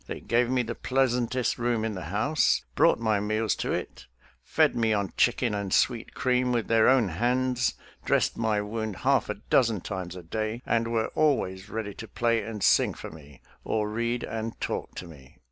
They gave me the pleas antest room in the house, brought my meals to it, fed me on chicken and sweet cream with their own hands, dressed my wound half a dozen times a day, and were always ready to play and sing for me, or read and talk to me.